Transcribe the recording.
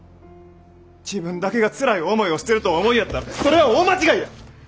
自分だけがつらい思いをしてるとお思いやったらそれは大間違いや！